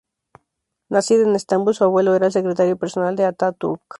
Nacida en Estambul, su abuelo era el secretario personal de Atatürk.